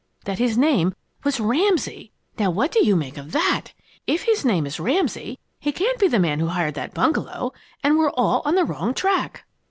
That his name was 'Ramsay'! Now what do you make of that? If his name is Ramsay, he can't be the man who hired that bungalow and we're all on the wrong track!"